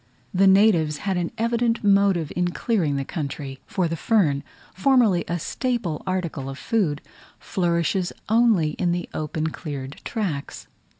The natives had an evident motive in clearing the country; for the fern, formerly a staple article of food, flourishes only in the open cleared tracks.